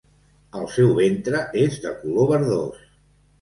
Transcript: El seu ventre és de color verdós.